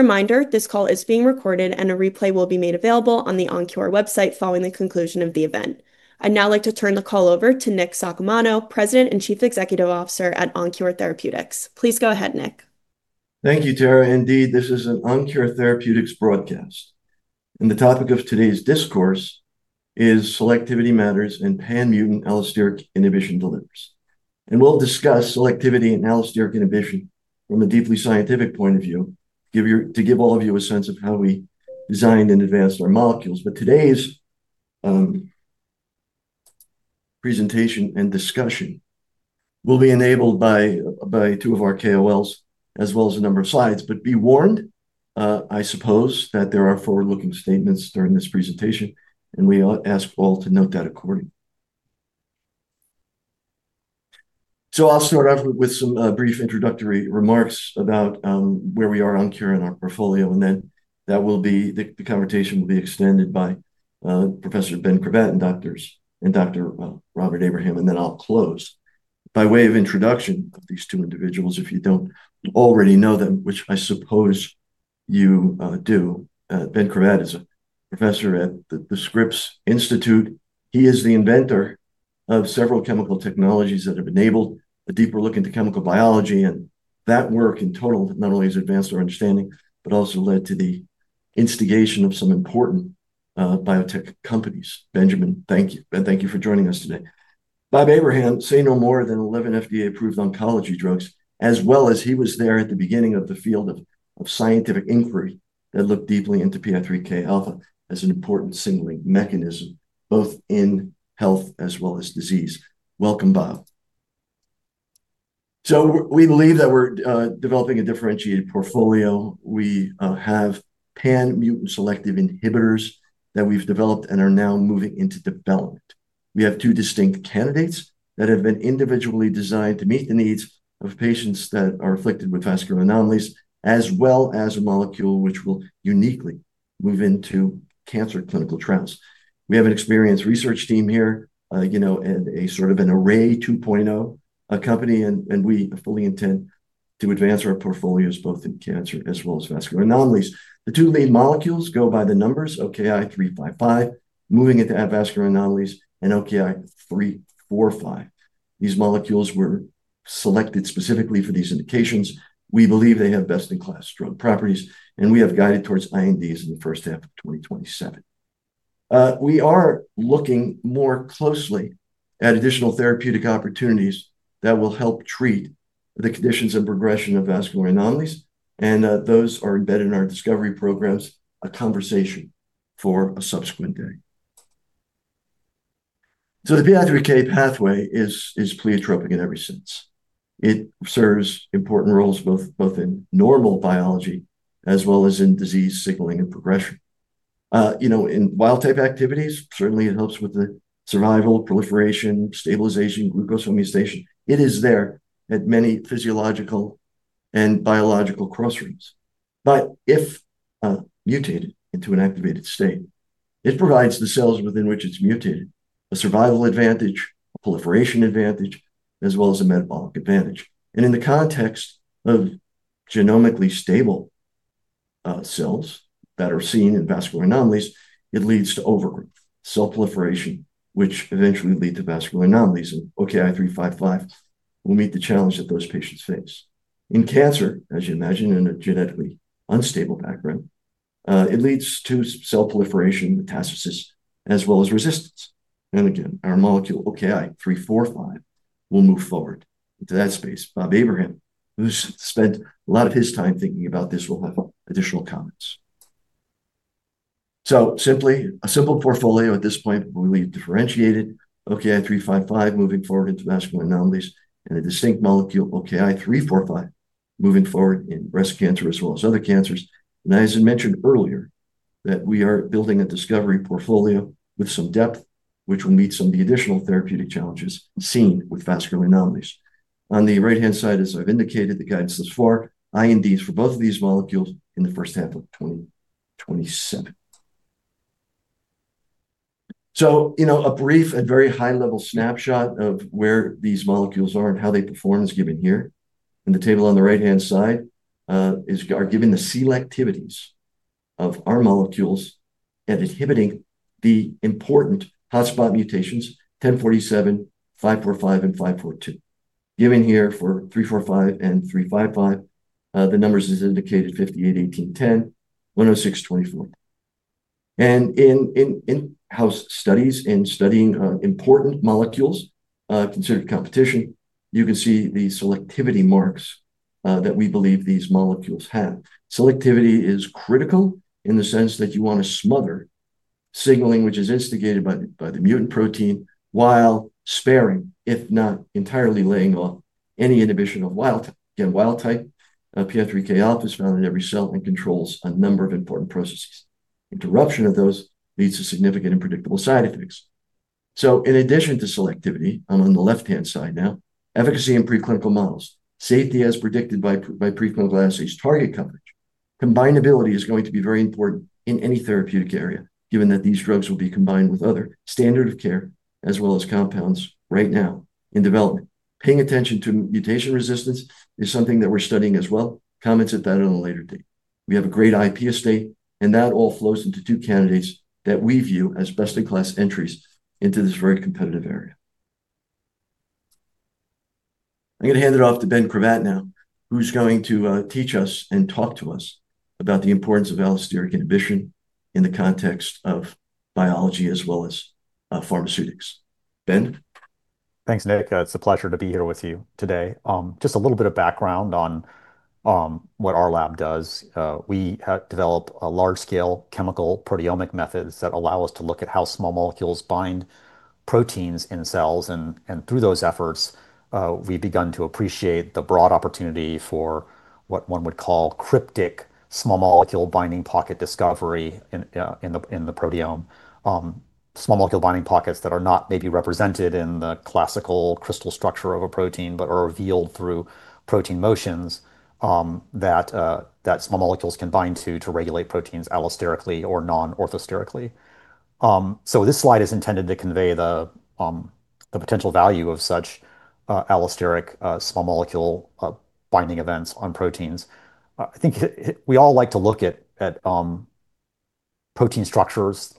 Reminder, this call is being recorded and a replay will be made available on the OnKure website following the conclusion of the event. I'd now like to turn the call over to Nick Saccomano, President and Chief Executive Officer at OnKure Therapeutics. Please go ahead, Nick. Thank you, Tara. Indeed, this is an OnKure Therapeutics broadcast. The topic of today's discourse is Selectivity Matters and pan-mutant Allosteric Inhibition Delivers. We'll discuss selectivity and allosteric inhibition from a deeply scientific point of view, to give all of you a sense of how we designed and advanced our molecules. Today's presentation and discussion will be enabled by two of our KOLs, as well as a number of slides. Be warned, I suppose that there are forward-looking statements during this presentation, and we ask all to note that accordingly. I'll start off with some brief introductory remarks about where we are at OnKure in our portfolio, and then the conversation will be extended by Professor Ben Cravatt and Dr. Robert Abraham, and then I'll close. By way of introduction of these two individuals, if you don't already know them, which I suppose you do, Ben Cravatt is a professor at Scripps Institute. He is the inventor of several chemical technologies that have enabled a deeper look into chemical biology, and that work in total not only has advanced our understanding, but also led to the instigation of some important biotech companies. Benjamin, thank you. Ben, thank you for joining us today. Bob Abraham, say no more than 11 FDA-approved oncology drugs, as well as he was there at the beginning of the field of scientific inquiry that looked deeply into PI3Kα as an important signaling mechanism, both in health as well as disease. Welcome, Bob. We believe that we're developing a differentiated portfolio. We have pan-mutant selective inhibitors that we've developed and are now moving into development. We have two distinct candidates that have been individually designed to meet the needs of patients that are afflicted with vascular anomalies, as well as a molecule which will uniquely move into cancer clinical trials. We have an experienced research team here, and a sort of an Array 2.0 company. We fully intend to advance our portfolios both in cancer as well as vascular anomalies. The two main molecules go by the numbers OKI-355, moving into vascular anomalies, and OKI-345. These molecules were selected specifically for these indications. We believe they have best-in-class drug properties. We have guided towards INDs in the first half of 2027. We are looking more closely at additional therapeutic opportunities that will help treat the conditions and progression of vascular anomalies. Those are embedded in our discovery programs. A conversation for a subsequent day. The PI3K pathway is pleiotropic in every sense. It serves important roles both in normal biology as well as in disease signaling and progression. In wild type activities, certainly it helps with the survival, proliferation, stabilization, glucose homeostasis. It is there at many physiological and biological crossroads. If mutated into an activated state, it provides the cells within which it's mutated a survival advantage, a proliferation advantage, as well as a metabolic advantage. In the context of genomically stable cells that are seen in vascular anomalies, it leads to over cell proliferation, which eventually lead to vascular anomalies. OKI-355 will meet the challenge that those patients face. In cancer, as you imagine, in a genetically unstable background, it leads to cell proliferation, metastasis, as well as resistance. Again, our molecule, OKI-345, will move forward into that space. Bob Abraham, who's spent a lot of his time thinking about this, will have additional comments. Simply, a simple portfolio at this point, but we believe differentiated. OKI-355 moving forward into vascular anomalies, a distinct molecule, OKI-345, moving forward in breast cancer as well as other cancers. As I mentioned earlier, that we are building a discovery portfolio with some depth, which will meet some of the additional therapeutic challenges seen with vascular anomalies. On the right-hand side, as I've indicated, the guidance thus far, INDs for both of these molecules in the first half of 2027. A brief and very high-level snapshot of where these molecules are and how they perform is given here. In the table on the right-hand side are given the selectivities of our molecules at inhibiting the important hotspot mutations, 1047, 545, and 542. Given here for 345 and 355, the numbers as indicated, 58, 18, 10, 106, 24. In in-house studies in studying important molecules considered competition, you can see the selectivity marks that we believe these molecules have. Selectivity is critical in the sense that you want to smother signaling, which is instigated by the mutant protein, while sparing, if not entirely laying off any inhibition of wild type. Again, wild type PI3Kα is found in every cell and controls a number of important processes. Interruption of those leads to significant and predictable side effects. In addition to selectivity, I'm on the left-hand side now, efficacy in preclinical models, safety as predicted by preclinical assays, target coverage. Combinability is going to be very important in any therapeutic area, given that these drugs will be combined with other standard of care, as well as compounds right now in development. Paying attention to mutation resistance is something that we're studying as well. Comments at that on a later date. We have a great IP estate, that all flows into two candidates that we view as best-in-class entries into this very competitive area. I'm going to hand it off to Ben Cravatt now, who's going to teach us and talk to us about the importance of allosteric inhibition in the context of biology as well as pharmaceutics. Ben? Thanks, Nick. It's a pleasure to be here with you today. Just a little bit of background on what our lab does. We develop large-scale chemical proteomic methods that allow us to look at how small molecules bind proteins in cells. Through those efforts, we've begun to appreciate the broad opportunity for what one would call cryptic small molecule binding pocket discovery in the proteome. Small molecule binding pockets that are not maybe represented in the classical crystal structure of a protein, but are revealed through protein motions that small molecules can bind to regulate proteins allosterically or non-orthosterically. This slide is intended to convey the potential value of such allosteric small molecule binding events on proteins. I think we all like to look at protein structures.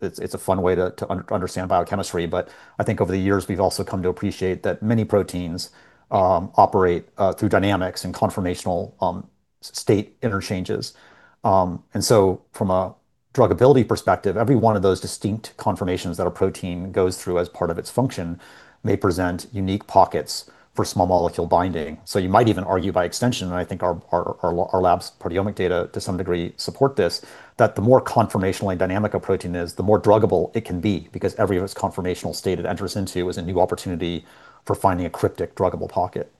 It's a fun way to understand biochemistry. I think over the years, we've also come to appreciate that many proteins operate through dynamics and conformational state interchanges. From a druggability perspective, every one of those distinct conformations that a protein goes through as part of its function may present unique pockets for small molecule binding. You might even argue by extension, and I think our lab's proteomic data to some degree support this, that the more conformationally dynamic a protein is, the more druggable it can be, because every conformational state it enters into is a new opportunity for finding a cryptic druggable pocket.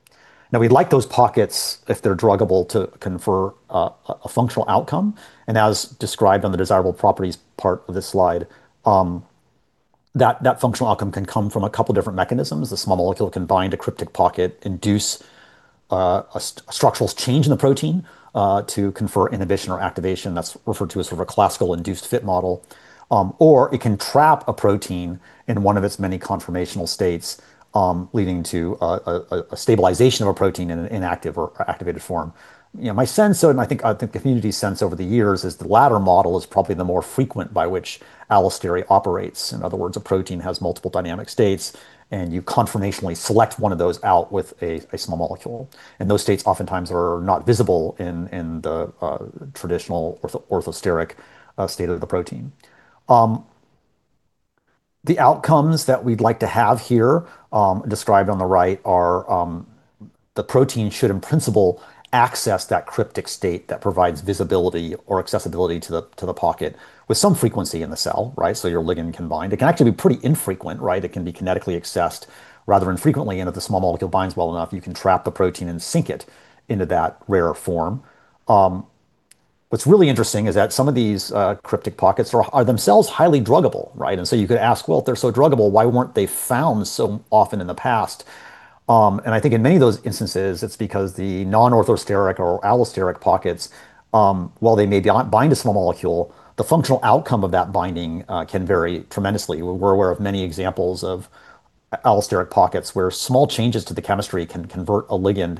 Now, we'd like those pockets, if they're druggable, to confer a functional outcome. As described on the desirable properties part of this slide, that functional outcome can come from a couple different mechanisms. The small molecule can bind a cryptic pocket, induce a structural change in the protein to confer inhibition or activation, that's referred to as sort of a classical induced fit model, or it can trap a protein in one of its many conformational states, leading to a stabilization of a protein in an inactive or activated form. My sense, and I think the community sense over the years is the latter model is probably the more frequent by which allostery operates. In other words, a protein has multiple dynamic states, and you conformationally select one of those out with a small molecule. Those states oftentimes are not visible in the traditional orthosteric state of the protein. The outcomes that we'd like to have here, described on the right are, the protein should in principle access that cryptic state that provides visibility or accessibility to the pocket with some frequency in the cell. Your ligand can bind. It can actually be pretty infrequent. It can be kinetically accessed rather infrequently. If the small molecule binds well enough, you can trap the protein and sink it into that rarer form. What's really interesting is that some of these cryptic pockets are themselves highly druggable. You could ask, "Well, if they're so druggable, why weren't they found so often in the past?" I think in many of those instances, it's because the non-orthosteric or allosteric pockets, while they may bind a small molecule, the functional outcome of that binding can vary tremendously. We're aware of many examples of allosteric pockets where small changes to the chemistry can convert a ligand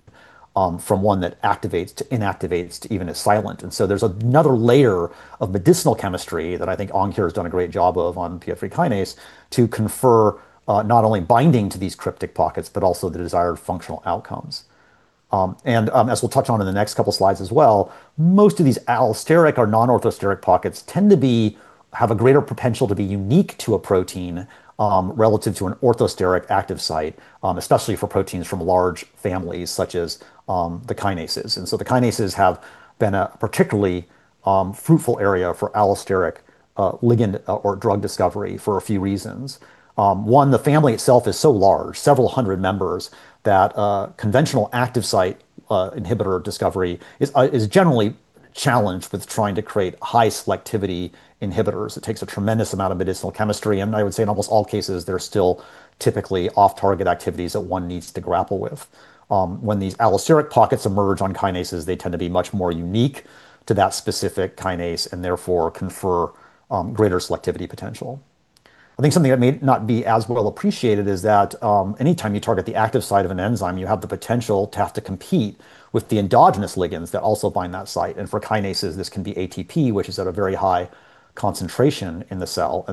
from one that activates to inactivates to even is silent. There's another layer of medicinal chemistry that I think OnKure has done a great job of on PI3 kinase to confer not only binding to these cryptic pockets, but also the desired functional outcomes. As we'll touch on in the next couple slides as well, most of these allosteric or non-orthosteric pockets tend to have a greater potential to be unique to a protein relative to an orthosteric active site, especially for proteins from large families such as the kinases. The kinases have been a particularly fruitful area for allosteric ligand or drug discovery for a few reasons. One, the family itself is so large, several hundred members, that conventional active site inhibitor discovery is generally challenged with trying to create high selectivity inhibitors. It takes a tremendous amount of medicinal chemistry, and I would say in almost all cases, there are still typically off-target activities that one needs to grapple with. When these allosteric pockets emerge on kinases, they tend to be much more unique to that specific kinase and therefore confer greater selectivity potential. I think something that may not be as well appreciated is that anytime you target the active site of an enzyme, you have the potential to have to compete with the endogenous ligands that also bind that site. For kinases, this can be ATP, which is at a very high concentration in the cell.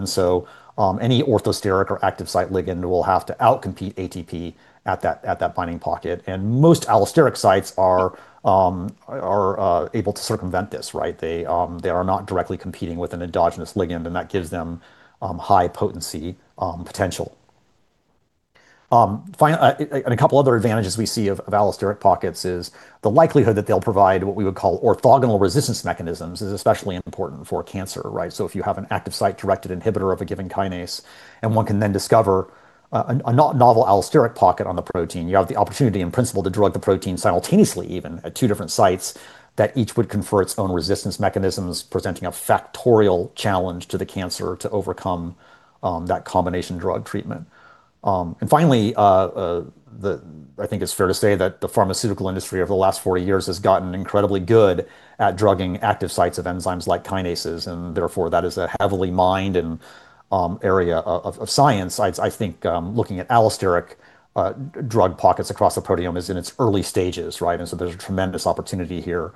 Any orthosteric or active site ligand will have to outcompete ATP at that binding pocket. Most allosteric sites are able to circumvent this. They are not directly competing with an endogenous ligand, and that gives them high potency potential. A couple other advantages we see of allosteric pockets is the likelihood that they'll provide what we would call orthogonal resistance mechanisms is especially important for cancer. If you have an active site-directed inhibitor of a given kinase, and one can then discover a novel allosteric pocket on the protein, you have the opportunity and principle to drug the protein simultaneously, even at two different sites that each would confer its own resistance mechanisms, presenting a factorial challenge to the cancer to overcome that combination drug treatment. Finally, I think it's fair to say that the pharmaceutical industry over the last 40 years has gotten incredibly good at drugging active sites of enzymes like kinases, and therefore that is a heavily mined area of science. I think looking at allosteric drug pockets across the proteome is in its early stages. There's a tremendous opportunity here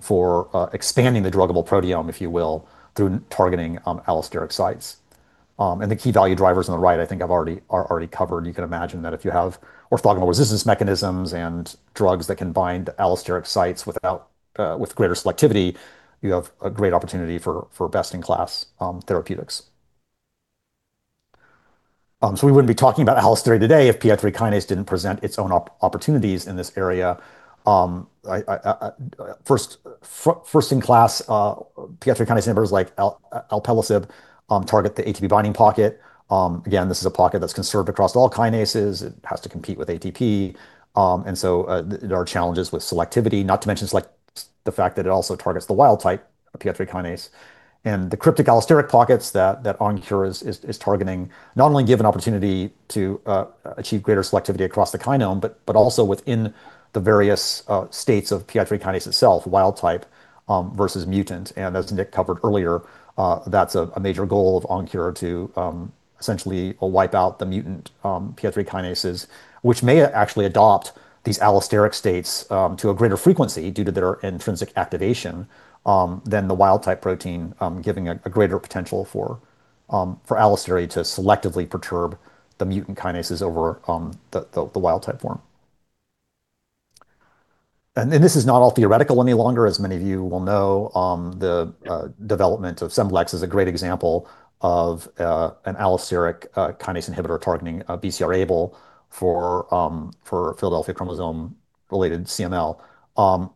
for expanding the druggable proteome, if you will, through targeting allosteric sites. The key value drivers on the right, I think I've already covered. You can imagine that if you have orthogonal resistance mechanisms and drugs that can bind allosteric sites with greater selectivity, you have a great opportunity for best-in-class therapeutics. We wouldn't be talking about allostery today if PI3 kinase didn't present its own opportunities in this area. First in class, PI3 kinase inhibitors like alpelisib target the ATP binding pocket. Again, this is a pocket that is conserved across all kinases. It has to compete with ATP. There are challenges with selectivity, not to mention the fact that it also targets the wild-type PI3 kinase. The cryptic allosteric pockets that OnKure is targeting not only give an opportunity to achieve greater selectivity across the kinome, but also within the various states of PI3 kinase itself, wild-type versus mutant. As Nick covered earlier, that is a major goal of OnKure, to essentially wipe out the mutant PI3 kinases, which may actually adopt these allosteric states to a greater frequency due to their intrinsic activation than the wild-type protein, giving a greater potential for allostery to selectively perturb the mutant kinases over the wild-type form. This is not all theoretical any longer, as many of you will know. The development of asciminib is a great example of an allosteric kinase inhibitor targeting BCR-ABL for Philadelphia chromosome-related CML. I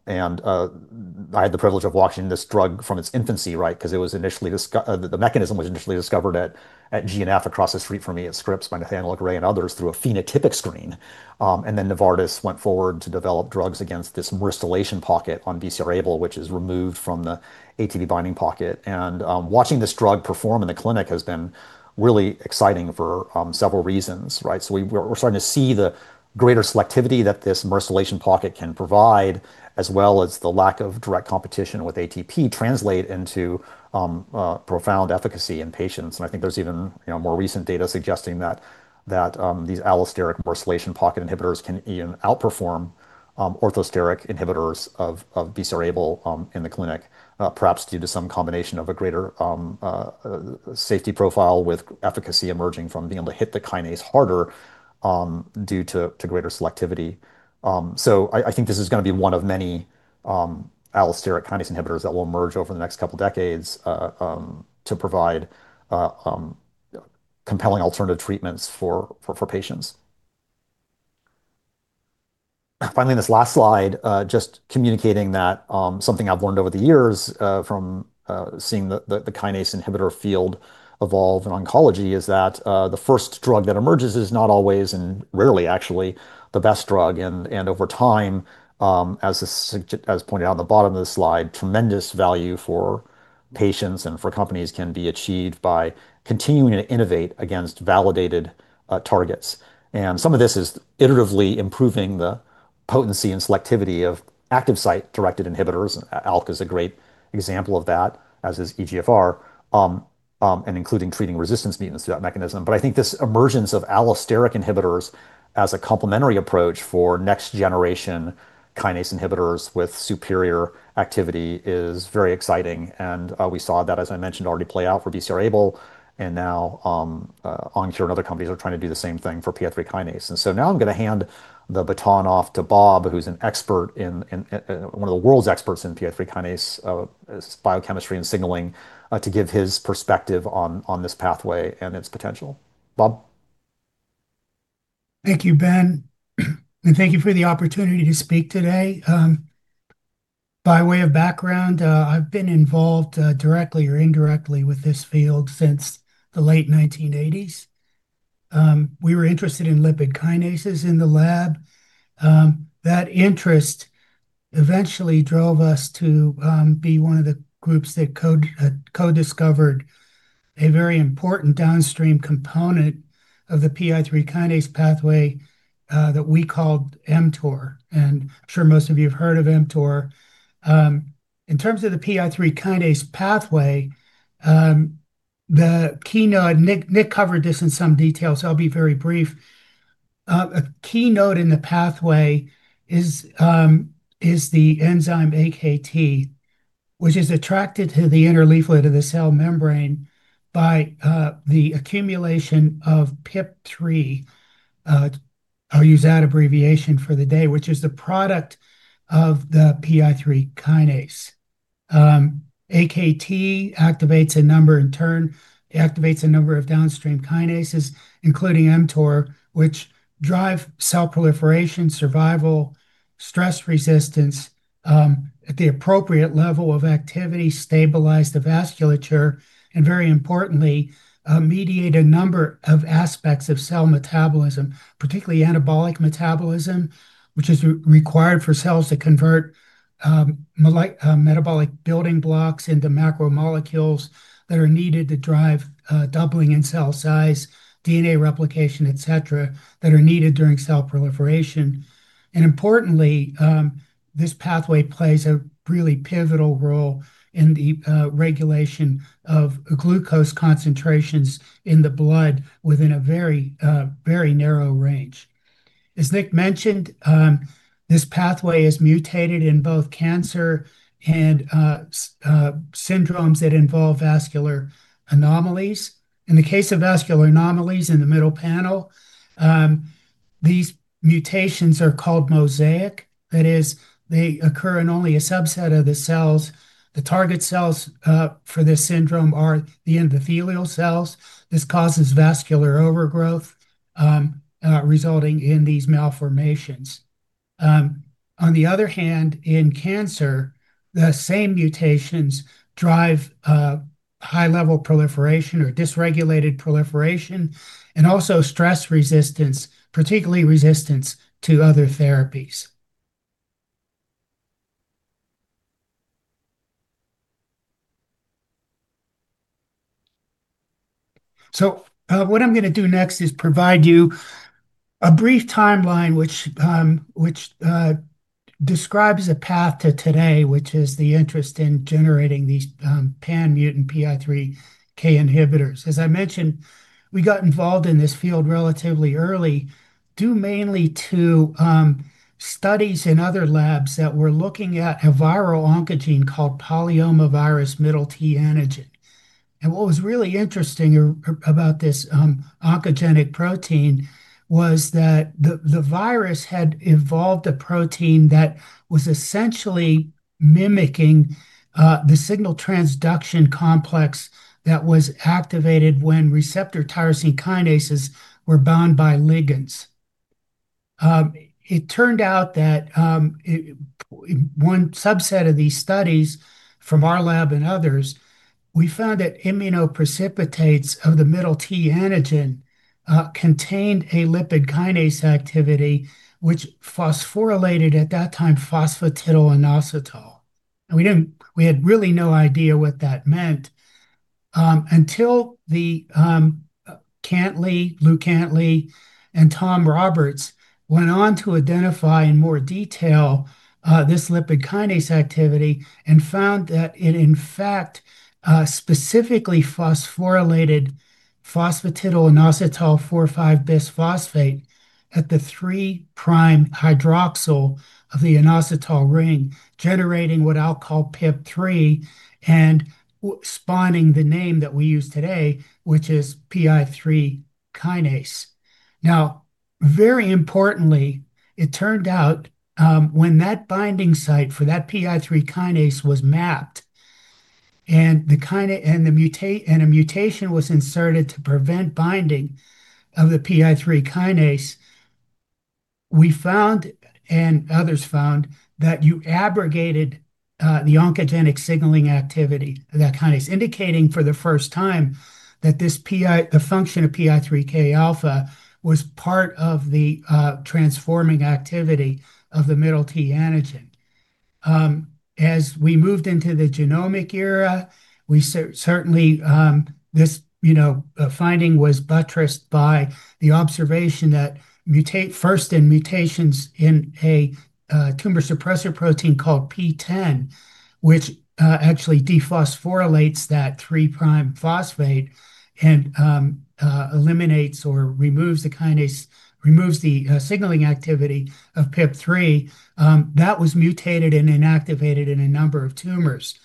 had the privilege of watching this drug from its infancy, because the mechanism was initially discovered at GNF across the street from me at Scripps by Nathanael Gray and others through a phenotypic screen. Then Novartis went forward to develop drugs against this myristoylation pocket on BCR-ABL, which is removed from the ATP binding pocket. Watching this drug perform in the clinic has been really exciting for several reasons. We are starting to see the greater selectivity that this myristoylation pocket can provide, as well as the lack of direct competition with ATP translate into profound efficacy in patients. I think there is even more recent data suggesting that these allosteric myristoylation pocket inhibitors can even outperform orthosteric inhibitors of BCR-ABL in the clinic, perhaps due to some combination of a greater safety profile with efficacy emerging from being able to hit the kinase harder due to greater selectivity. I think this is going to be one of many allosteric kinase inhibitors that will emerge over the next couple of decades to provide compelling alternative treatments for patients. Finally, this last slide, just communicating that something I have learned over the years from seeing the kinase inhibitor field evolve in oncology is that the first drug that emerges is not always, and rarely actually, the best drug. Over time, as pointed out on the bottom of this slide, tremendous value for patients and for companies can be achieved by continuing to innovate against validated targets. Some of this is iteratively improving the potency and selectivity of active site-directed inhibitors. ALK is a great example of that, as is EGFR, and including treating resistance mutants through that mechanism. I think this emergence of allosteric inhibitors as a complementary approach for next-generation kinase inhibitors with superior activity is very exciting. We saw that, as I mentioned, already play out for BCR-ABL, and now OnKure and other companies are trying to do the same thing for PI3 kinase. Now I am going to hand the baton off to Bob, who is one of the world's experts in PI3 kinase biochemistry and signaling, to give his perspective on this pathway and its potential. Bob? Thank you, Ben. Thank you for the opportunity to speak today. By way of background, I've been involved directly or indirectly with this field since the late 1980s. We were interested in lipid kinases in the lab. That interest eventually drove us to be one of the groups that co-discovered a very important downstream component of the PI3 kinase pathway that we called mTOR. I'm sure most of you have heard of mTOR. In terms of the PI3 kinase pathway, Nick covered this in some detail, so I'll be very brief. A key note in the pathway is the enzyme AKT, which is attracted to the inner leaflet of the cell membrane by the accumulation of pip3, I'll use that abbreviation for the day, which is the product of the PI3 kinase. AKT, in turn, activates a number of downstream kinases, including mTOR, which drive cell proliferation, survival, stress resistance at the appropriate level of activity, stabilize the vasculature, and very importantly, mediate a number of aspects of cell metabolism, particularly anabolic metabolism, which is required for cells to convert metabolic building blocks into macromolecules that are needed to drive doubling in cell size, DNA replication, et cetera, that are needed during cell proliferation. Importantly, this pathway plays a really pivotal role in the regulation of glucose concentrations in the blood within a very narrow range. As Nick mentioned, this pathway is mutated in both cancer and syndromes that involve vascular anomalies. In the case of vascular anomalies in the middle panel, these mutations are called mosaic. That is, they occur in only a subset of the cells. The target cells for this syndrome are the endothelial cells. This causes vascular overgrowth, resulting in these malformations. On the other hand, in cancer, the same mutations drive high-level proliferation or dysregulated proliferation, and also stress resistance, particularly resistance to other therapies. What I'm going to do next is provide you a brief timeline which describes a path to today, which is the interest in generating these pan-mutant PI3K inhibitors. As I mentioned, we got involved in this field relatively early, due mainly to studies in other labs that were looking at a viral oncogene called polyomavirus middle T antigen. What was really interesting about this oncogenic protein was that the virus had evolved a protein that was essentially mimicking the signal transduction complex that was activated when receptor tyrosine kinases were bound by ligands. It turned out that in one subset of these studies from our lab and others, we found that immunoprecipitates of the middle T antigen contained a lipid kinase activity which phosphorylated, at that time, phosphatidylinositol. We had really no idea what that meant, until Lou Cantley and Tom Roberts went on to identify in more detail this lipid kinase activity and found that it, in fact, specifically phosphorylated phosphatidylinositol 4,5-bisphosphate at the 3-prime hydroxyl of the inositol ring, generating what I'll call PIP3 and spawning the name that we use today, which is PI3 kinase. Very importantly, it turned out when that binding site for that PI3 kinase was mapped and a mutation was inserted to prevent binding of the PI3 kinase, we found, and others found, that you abrogated the oncogenic signaling activity, that kinase, indicating for the first time that the function of PI3Kα was part of the transforming activity of the middle T antigen. As we moved into the genomic era, certainly this finding was buttressed by the observation that first in mutations in a tumor suppressor protein called PTEN, which actually dephosphorylates that 3-prime phosphate and eliminates or removes the kinase, removes the signaling activity of PIP3, that was mutated and inactivated in a number of tumors.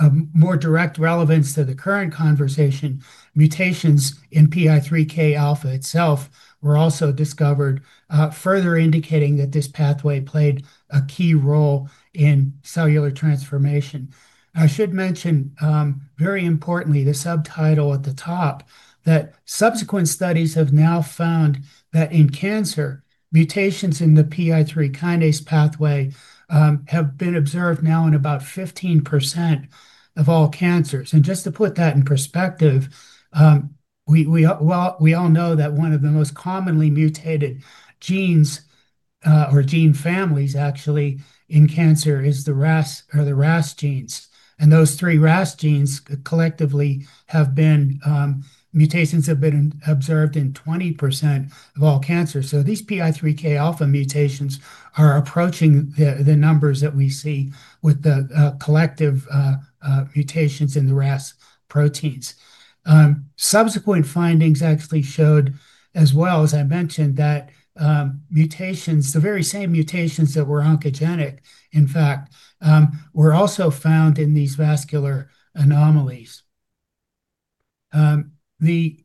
More direct relevance to the current conversation, mutations in PI3Kα itself were also discovered, further indicating that this pathway played a key role in cellular transformation. I should mention, very importantly, the subtitle at the top, that subsequent studies have now found that in cancer, mutations in the PI3 kinase pathway have been observed now in about 15% of all cancers. Just to put that in perspective, we all know that one of the most commonly mutated genes, or gene families actually, in cancer are the RAS genes. Those three RAS genes, collectively, mutations have been observed in 20% of all cancers. These PI3Kα mutations are approaching the numbers that we see with the collective mutations in the RAS proteins. Subsequent findings actually showed as well, as I mentioned, that the very same mutations that were oncogenic, in fact, were also found in these vascular anomalies. These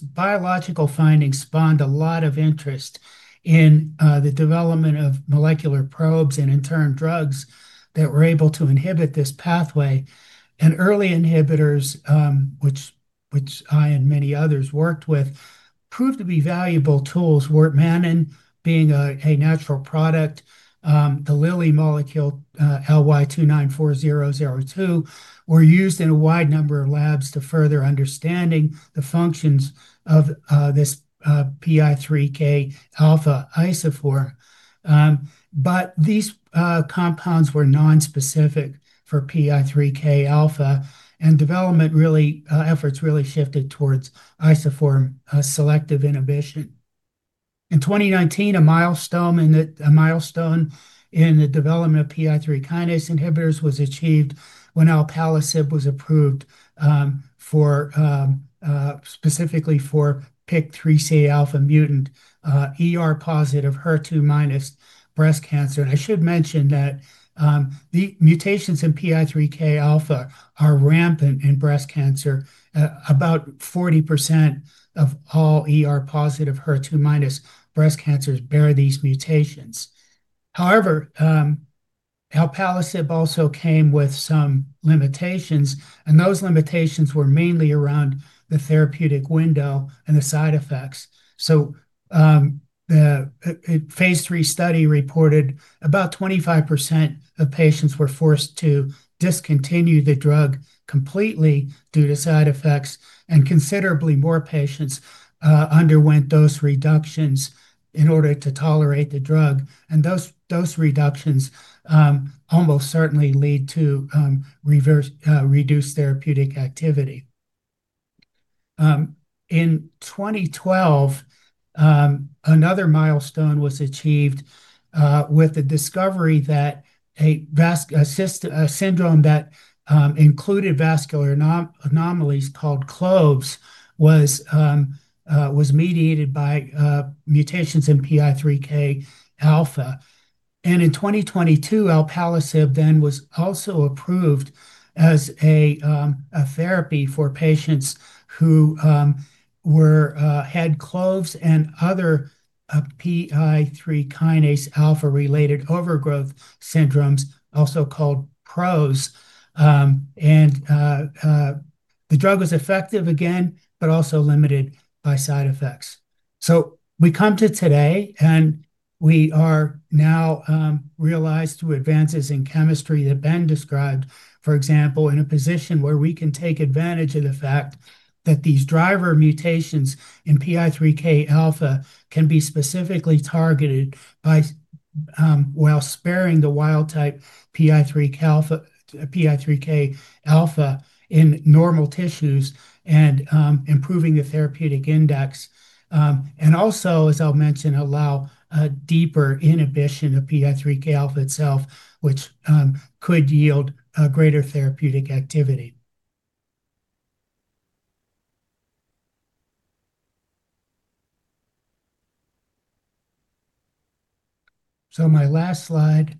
biological findings spawned a lot of interest in the development of molecular probes and, in turn, drugs that were able to inhibit this pathway. Early inhibitors, which I and many others worked with, proved to be valuable tools. wortmannin, being a natural product, the Lilly molecule LY294002, were used in a wide number of labs to further understanding the functions of this PI3Kα isoform. These compounds were nonspecific for PI3Kα, and development efforts really shifted towards isoform-selective inhibition. In 2019, a milestone in the development of PI3 kinase inhibitors was achieved when alpelisib was approved, specifically for PIK3CAα mutant ER-positive HER2- breast cancer. I should mention that the mutations in PI3Kα are rampant in breast cancer. About 40% of all ER-positive HER2- breast cancers bear these mutations. alpelisib also came with some limitations, and those limitations were mainly around the therapeutic window and the side effects. A phase III study reported about 25% of patients were forced to discontinue the drug completely due to side effects, and considerably more patients underwent dose reductions in order to tolerate the drug. Those dose reductions almost certainly lead to reduced therapeutic activity. In 2012, another milestone was achieved with the discovery that a syndrome that included vascular anomalies called CLOVES was mediated by mutations in PI3Kα. In 2022, alpelisib then was also approved as a therapy for patients who had CLOVES and other PI3 kinase alpha related overgrowth syndromes, also called PROS. The drug was effective, again, but also limited by side effects. We come to today, we are now realized, through advances in chemistry that Ben described, for example, in a position where we can take advantage of the fact that these driver mutations in PI3Kα can be specifically targeted while sparing the wild type PI3Kα in normal tissues and improving the therapeutic index. Also, as I'll mention, allow a deeper inhibition of PI3Kα itself, which could yield a greater therapeutic activity. My last slide.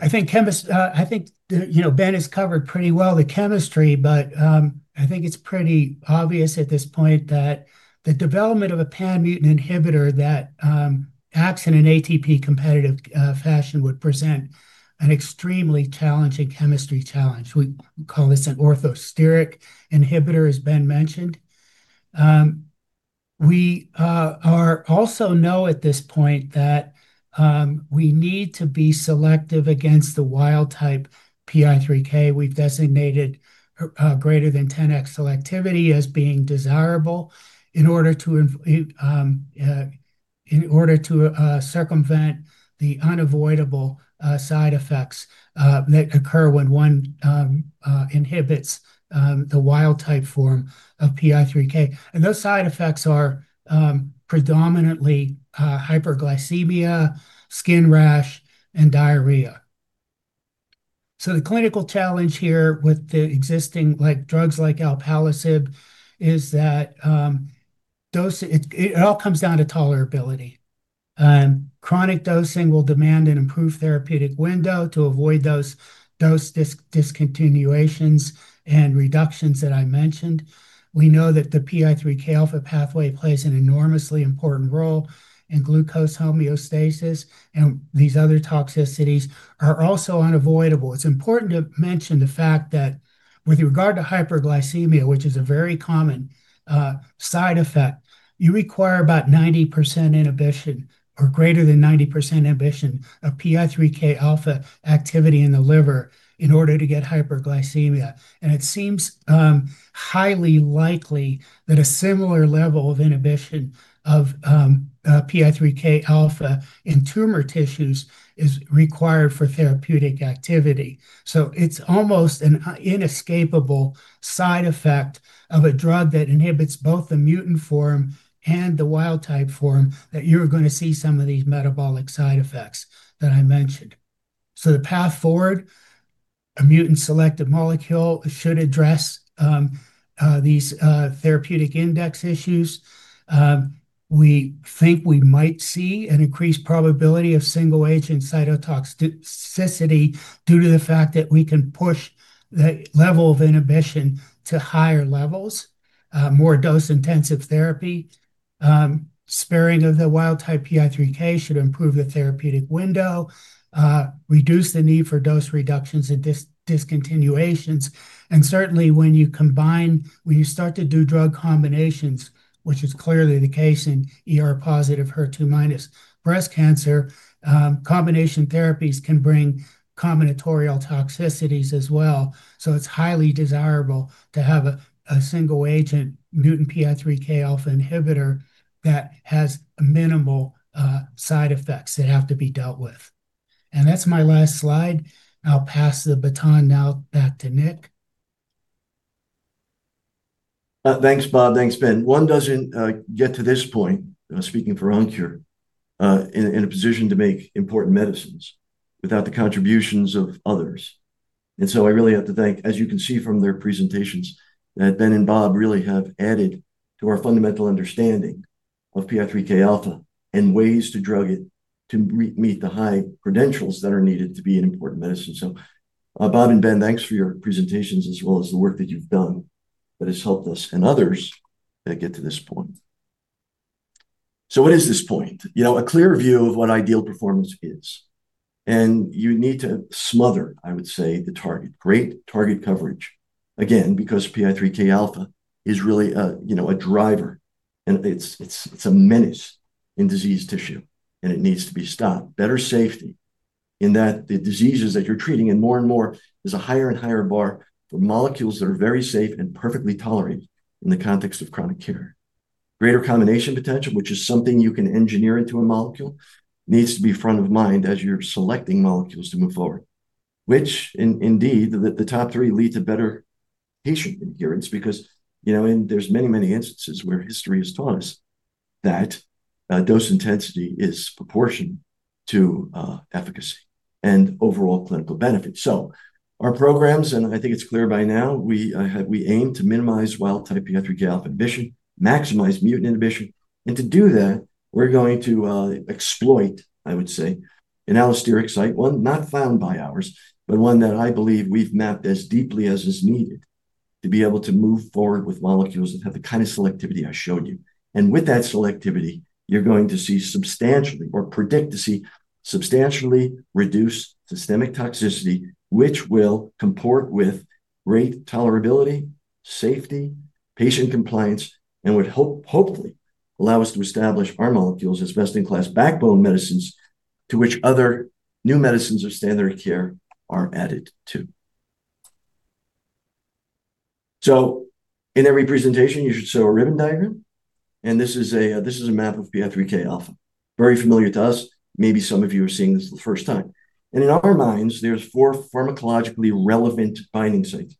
I think Ben has covered pretty well the chemistry, but I think it's pretty obvious at this point that the development of a pan-mutant inhibitor that acts in an ATP competitive fashion would present an extremely challenging chemistry challenge. We call this an orthosteric inhibitor, as Ben mentioned. We also know at this point that we need to be selective against the wild type PI3K. We've designated greater than 10x selectivity as being desirable in order to circumvent the unavoidable side effects that occur when one inhibits the wild type form of PI3K. Those side effects are predominantly hyperglycemia, skin rash, and diarrhea. The clinical challenge here with the existing drugs like alpelisib is that it all comes down to tolerability. Chronic dosing will demand an improved therapeutic window to avoid those dose discontinuations and reductions that I mentioned. We know that the PI3Kα pathway plays an enormously important role in glucose homeostasis, and these other toxicities are also unavoidable. It's important to mention the fact that with regard to hyperglycemia, which is a very common side effect, you require about 90% inhibition, or greater than 90% inhibition of PI3Kα activity in the liver in order to get hyperglycemia. It seems highly likely that a similar level of inhibition of PI3Kα in tumor tissues is required for therapeutic activity. It's almost an inescapable side effect of a drug that inhibits both the mutant form and the wild type form, that you're going to see some of these metabolic side effects that I mentioned. The path forward, a mutant-selective molecule should address these therapeutic index issues. We think we might see an increased probability of single agent cytotoxicity due to the fact that we can push the level of inhibition to higher levels, more dose-intensive therapy. Sparing of the wild type PI3K should improve the therapeutic window, reduce the need for dose reductions and discontinuations. Certainly, when you start to do drug combinations, which is clearly the case in ER-positive HER2- breast cancer, combination therapies can bring combinatorial toxicities as well. It's highly desirable to have a single agent mutant PI3Kα inhibitor that has minimal side effects that have to be dealt with. That's my last slide. I'll pass the baton now back to Nick. Thanks, Bob. Thanks, Ben. One doesn't get to this point, speaking for OnKure, in a position to make important medicines without the contributions of others. I really have to thank, as you can see from their presentations, that Ben and Bob really have added to our fundamental understanding of PI3Kα and ways to drug it to meet the high credentials that are needed to be an important medicine. Bob and Ben, thanks for your presentations, as well as the work that you've done that has helped us and others get to this point. What is this point? A clear view of what ideal performance is, and you need to smother, I would say, the target. Great target coverage, again, because PI3Kα is really a driver, and it's a menace in diseased tissue, and it needs to be stopped. Better safety in that the diseases that you're treating, and more and more, there's a higher and higher bar for molecules that are very safe and perfectly tolerated in the context of chronic care. Greater combination potential, which is something you can engineer into a molecule, needs to be front of mind as you're selecting molecules to move forward, which indeed, the top three lead to better patient adherence because there's many instances where history has taught us that dose intensity is proportion to efficacy and overall clinical benefit. Our programs, and I think it's clear by now, we aim to minimize wild-type PI3Kα inhibition, maximize mutant inhibition. To do that, we're going to exploit, I would say, an allosteric site, one not found by ours, but one that I believe we've mapped as deeply as is needed to be able to move forward with molecules that have the kind of selectivity I showed you. With that selectivity, you're going to see substantially or predict to see substantially reduced systemic toxicity, which will comport with great tolerability, safety, patient compliance, and would hopefully allow us to establish our molecules as best-in-class backbone medicines to which other new medicines of standard care are added too. In every presentation, you should show a ribbon diagram, and this is a map of PI3Kα. Very familiar to us, maybe some of you are seeing this for the first time. In our minds, there's four pharmacologically relevant binding sites.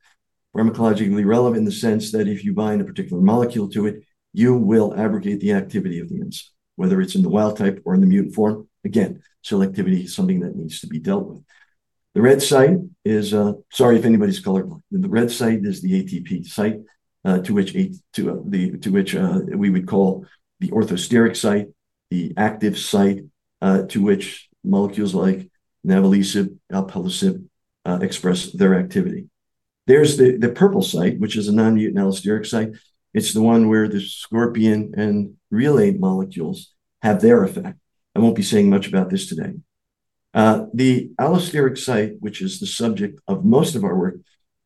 Pharmacologically relevant in the sense that if you bind a particular molecule to it, you will abrogate the activity of the enzyme, whether it's in the wild type or in the mutant form. Again, selectivity is something that needs to be dealt with. Sorry if anybody's colorblind. The red site is the ATP site, to which we would call the orthosteric site, the active site, to which molecules like inavolisib, alpelisib express their activity. There's the purple site, which is a non-mutant allosteric site. It's the one where the Scorpion and Relay molecules have their effect. I won't be saying much about this today. The allosteric site, which is the subject of most of our work,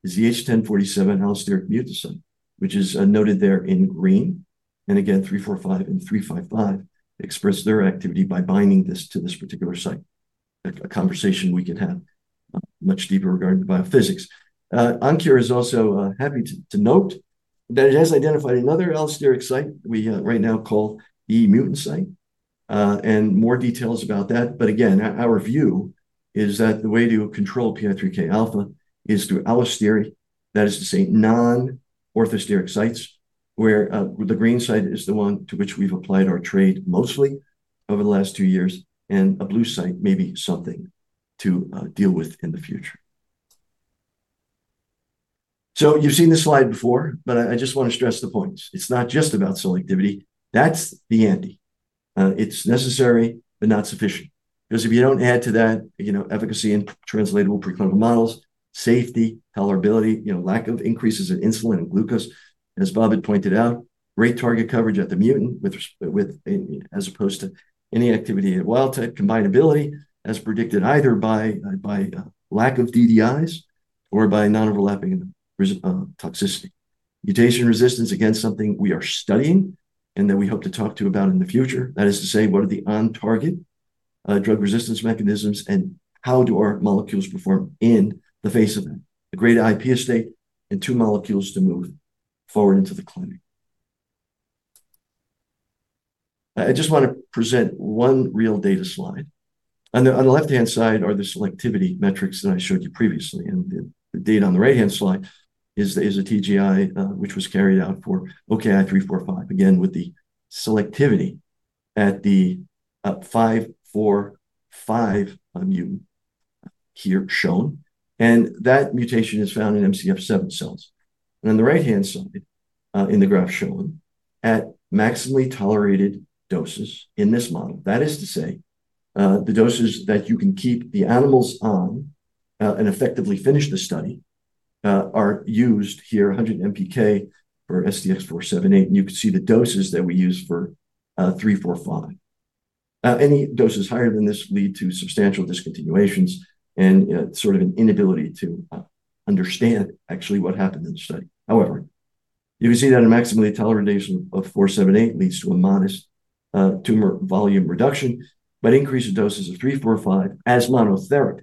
is the H1047 allosteric mutant site, which is noted there in green. Again, 345 and 355 express their activity by binding this to this particular site. A conversation we can have much deeper regarding the biophysics. OnKure is also happy to note that it has identified another allosteric site we right now call E mutant site. More details about that, but again, our view is that the way to control PI3Kα is through allostery, that is to say, non-orthosteric sites, where the green site is the one to which we've applied our trade mostly over the last two years, and a blue site may be something to deal with in the future. You've seen this slide before, but I just want to stress the points. It's not just about selectivity. That's the ante. It's necessary but not sufficient. If you don't add to that efficacy in translatable preclinical models, safety, tolerability, lack of increases in insulin and glucose, as Bob had pointed out, great target coverage at the mutant as opposed to any activity at wild type, combinability, as predicted either by lack of DDIs or by non-overlapping toxicity. Mutation resistance, again, something we are studying and that we hope to talk to you about in the future. That is to say, what are the on-target drug resistance mechanisms, and how do our molecules perform in the face of it? A great IP estate and two molecules to move forward into the clinic. I just want to present one real data slide. On the left-hand side are the selectivity metrics that I showed you previously, and the data on the right-hand side is a TGI, which was carried out for OKI-345, again, with the selectivity at the 545 mutant here shown, and that mutation is found in MCF7 cells. On the right-hand side, in the graph shown, at maximally tolerated doses in this model, that is to say, the doses that you can keep the animals on, and effectively finish the study, are used here, 100 MPK for STX-478, and you can see the doses that we use for 345. Any doses higher than this lead to substantial discontinuations and sort of an inability to understand actually what happened in the study. However, you can see that a maximally tolerant dose of 478 leads to a modest tumor volume reduction, but increase in doses of 345 as monotherapy.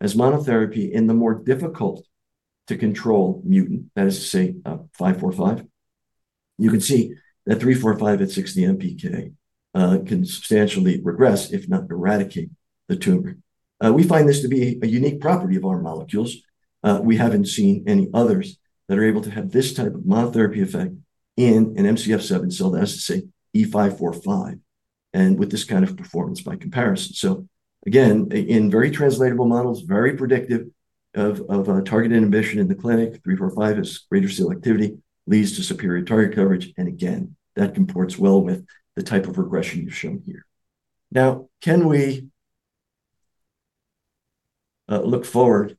As monotherapy in the more difficult-to-control mutant, that is to say, 545 You can see that 345 at 60 MPK can substantially regress if not eradicate the tumor. We find this to be a unique property of our molecules. We haven't seen any others that are able to have this type of monotherapy effect in an MCF7 cell that has to say E545, and with this kind of performance by comparison. Again, in very translatable models, very predictive of target inhibition in the clinic, 345 has greater selectivity, leads to superior target coverage, and again, that comports well with the type of regression you're shown here. Can we look forward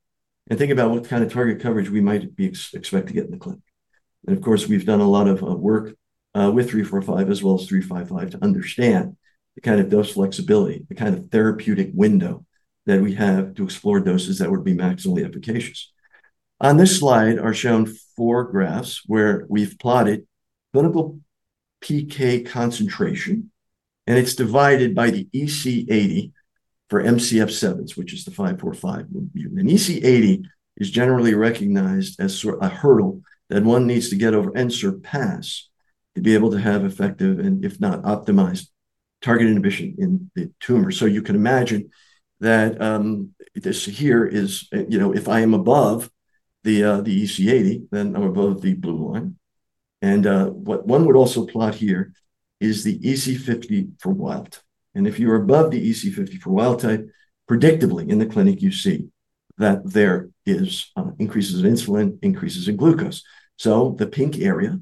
and think about what kind of target coverage we might expect to get in the clinic? Of course, we've done a lot of work with 345 as well as 355 to understand the kind of dose flexibility, the kind of therapeutic window that we have to explore doses that would be maximally efficacious. On this slide are shown four graphs where we've plotted clinical PK concentration, and it's divided by the EC80 for MCF7s, which is the E545 mutant. An EC80 is generally recognized as a hurdle that one needs to get over and surpass to be able to have effective, and if not, optimized target inhibition in the tumor. You can imagine that this here is. If I am above the EC80, then I'm above the blue line. What one would also plot here is the EC50 for wild type. If you are above the EC50 for wild type, predictably in the clinic, you see that there is increases in insulin, increases in glucose. The pink area,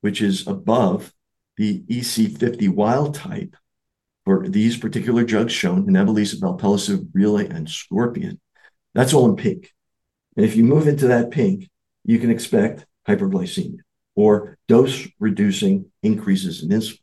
which is above the EC50 wild type for these particular drugs shown, enzalutamide, palbociclib, relacorilant and Scorpion, that's all in pink. If you move into that pink, you can expect hyperglycemia or dose-reducing increases in insulin.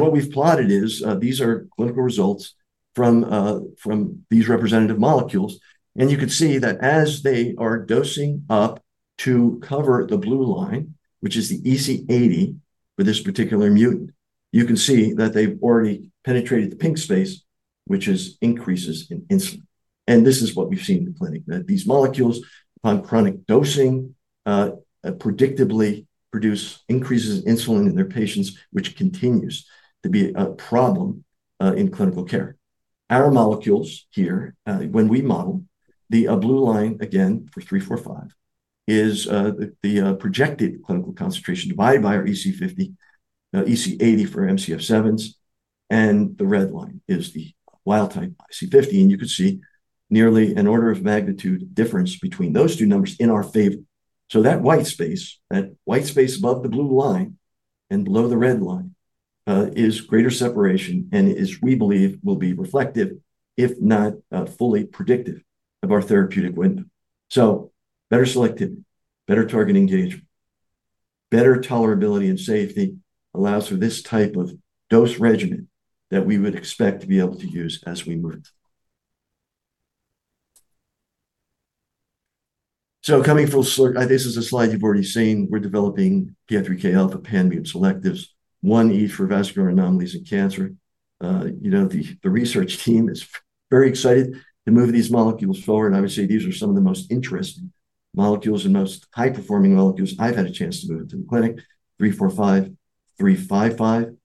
What we've plotted is, these are clinical results from these representative molecules, and you can see that as they are dosing up to cover the blue line, which is the EC80 for this particular mutant, you can see that they've already penetrated the pink space, which is increases in insulin. This is what we've seen in the clinic, that these molecules, upon chronic dosing, predictably produce increases in insulin in their patients, which continues to be a problem in clinical care. Our molecules here, when we model the blue line, again, for 345, is the projected clinical concentration divided by our EC80 for MCF7s, and the red line is the wild-type EC50. You can see nearly an order of magnitude difference between those two numbers in our favor. That white space above the blue line and below the red line, is greater separation, and as we believe, will be reflective, if not fully predictive of our therapeutic window. Better selectivity, better target engagement, better tolerability and safety allows for this type of dose regimen that we would expect to be able to use as we move. Coming full circle, this is a slide you've already seen. We're developing PI3Kα pan-mutant selectives, 1E for vascular anomalies and cancer. The research team is very excited to move these molecules forward, Obviously, these are some of the most interesting molecules and most high-performing molecules I've had a chance to move into the clinic. 345, 355,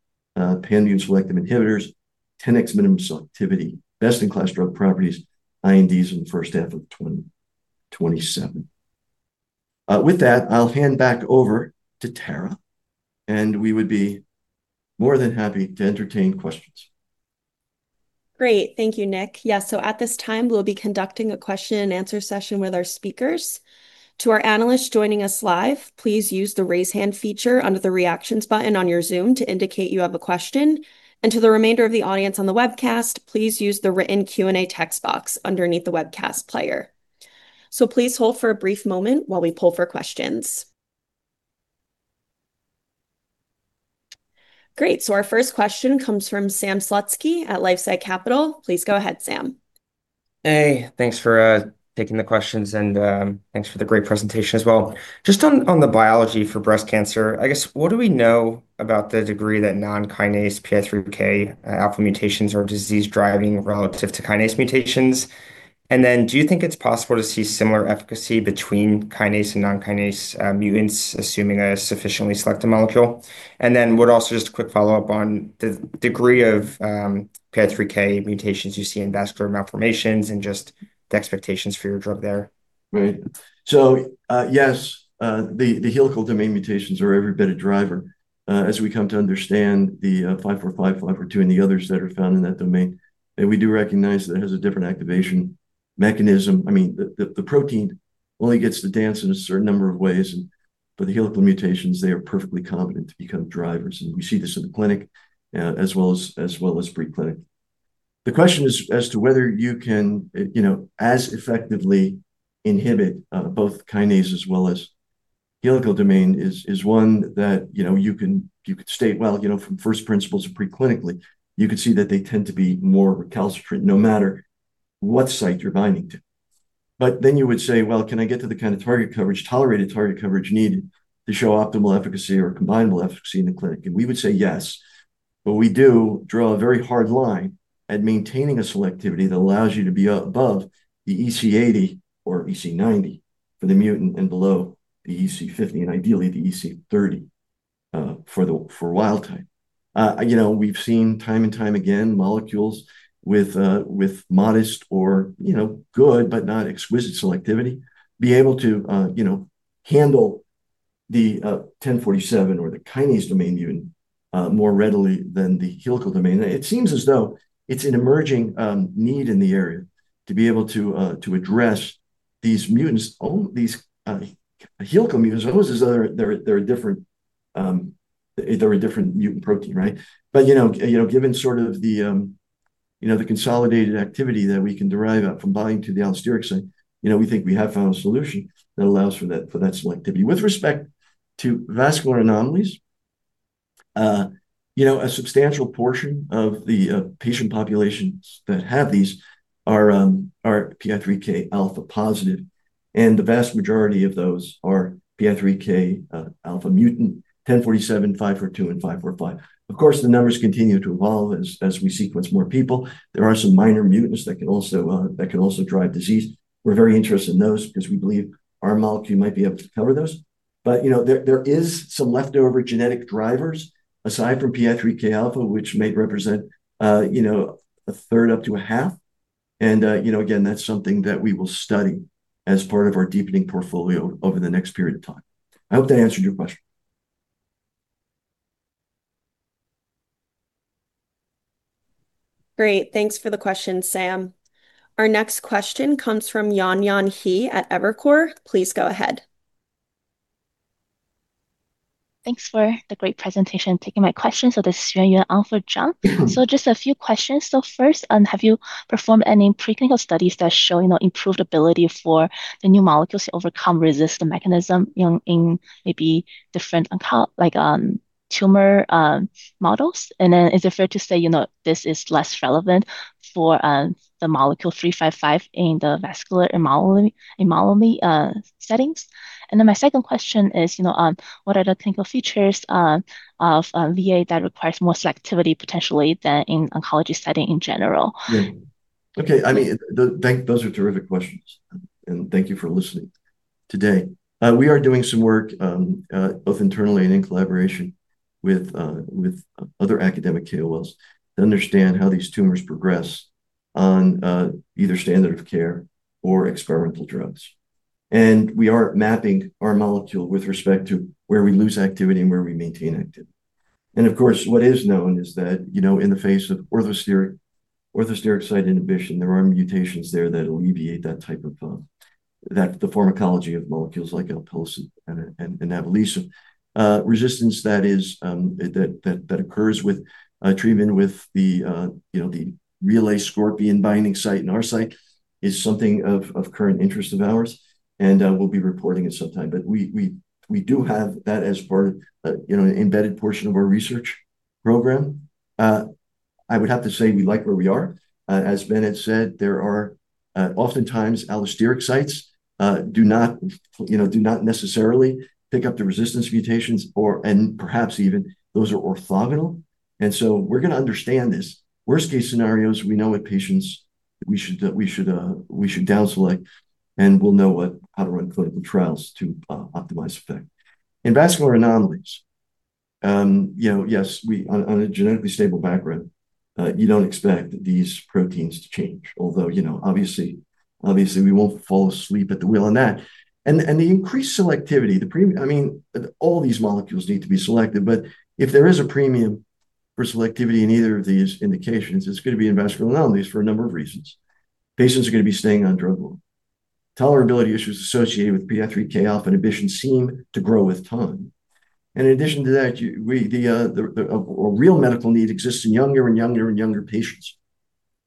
pan-mutant selective inhibitors, 10x minimum selectivity, best-in-class drug properties, INDs in the first half of 2027. With that, I'll hand back over to Tara, We would be more than happy to entertain questions. Great. Thank you, Nick. At this time, we'll be conducting a question and answer session with our speakers. To our analysts joining us live, please use the raise hand feature under the reactions button on your Zoom to indicate you have a question. To the remainder of the audience on the webcast, please use the written Q&A text box underneath the webcast player. Please hold for a brief moment while we pull for questions. Great. Our first question comes from Sam Slutsky at LifeSci Capital. Please go ahead, Sam. Hey, thanks for taking the questions, and thanks for the great presentation as well. Just on the biology for breast cancer, I guess, what do we know about the degree that non-kinase PI3Kα mutations are disease-driving relative to kinase mutations? Do you think it's possible to see similar efficacy between kinase and non-kinase mutants assuming a sufficiently selective molecule? Would also just a quick follow-up on the degree of PI3K mutations you see in vascular malformations and just the expectations for your drug there. Right. Yes, the helical domain mutations are every bit a driver as we come to understand the E545, E542, and the others that are found in that domain. We do recognize that it has a different activation mechanism. The protein only gets to dance in a certain number of ways. The helical mutations, they are perfectly competent to become drivers, and we see this in the clinic, as well as pre-clinic. The question is as to whether you can, as effectively inhibit both kinase as well as helical domain is one that you could state, well, from first principles of pre-clinically, you could see that they tend to be more recalcitrant no matter what site you're binding to. You would say, "Well, can I get to the kind of tolerated target coverage needed to show optimal efficacy or combinable efficacy in the clinic?" We would say yes. We do draw a very hard line at maintaining a selectivity that allows you to be above the EC80 or EC90 for the mutant, and below the EC50, and ideally the EC30, for wild type. We've seen time and time again, molecules with modest or good, but not exquisite selectivity be able to handle the H1047 or the kinase domain even more readily than the helical domain. It seems as though it's an emerging need in the area to be able to address these mutants. All these helical mutant, those are different mutant protein. Given sort of the consolidated activity that we can derive out from binding to the allosteric site, we think we have found a solution that allows for that selectivity. With respect to vascular anomalies, a substantial portion of the patient populations that have these are PI3Kα positive, and the vast majority of those are PI3Kα mutant H1047, E542 and E545. Of course, the numbers continue to evolve as we sequence more people. There are some minor mutants that can also drive disease. We're very interested in those because we believe our molecule might be able to cover those. There is some leftover genetic drivers aside from PI3Kα, which may represent a third up to a half. Again, that's something that we will study as part of our deepening portfolio over the next period of time. I hope that answered your question. Great. Thanks for the question, Sam. Our next question comes from Yuanyuan He at Evercore. Please go ahead. Thanks for the great presentation, taking my question. This is Yuanyuan on for John. Just a few questions. First, have you performed any preclinical studies that show improved ability for the new molecules to overcome resistant mechanism in maybe different tumor models? Is it fair to say, this is less relevant for the molecule OKI-355 in the vascular anomaly settings? My second question is, what are the clinical features of VA that requires more selectivity potentially than in oncology setting in general? Yeah. Okay. Those are terrific questions, thank you for listening today. We are doing some work, both internally and in collaboration with other academic KOLs to understand how these tumors progress on either standard of care or experimental drugs. We are mapping our molecule with respect to where we lose activity and where we maintain activity. Of course, what is known is that in the face of orthosteric site inhibition, there are mutations there that alleviate the pharmacology of molecules like alpelisib and inavolisib. Resistance that occurs with treatment with the Relay Scorpion binding site and our site is something of current interest of ours and we'll be reporting it sometime. We do have that as part of an embedded portion of our research program. I would have to say we like where we are. As Bennett said, there are oftentimes allosteric sites do not necessarily pick up the resistance mutations or, perhaps even those are orthogonal. We're going to understand this. Worst case scenarios, we know what patients we should down-select, and we'll know how to run clinical trials to optimize effect. In vascular anomalies, yes, on a genetically stable background, you don't expect these proteins to change. Although, obviously we won't fall asleep at the wheel on that. The increased selectivity, all these molecules need to be selective, but if there is a premium for selectivity in either of these indications, it's going to be in vascular anomalies for a number of reasons. Patients are going to be staying on drug long. Tolerability issues associated with PI3Kα inhibition seem to grow with time. In addition to that, a real medical need exists in younger and younger patients.